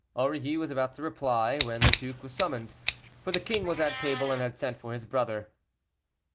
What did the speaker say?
Aurilly was about to reply, when the duke was summoned; for the king was at table, and had sent for his brother.